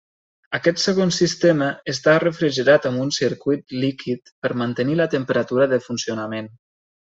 Aquest segon sistema està refrigerat amb un circuit líquid per mantenir la temperatura de funcionament.